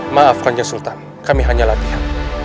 maafkannya sultan kami hanya latihan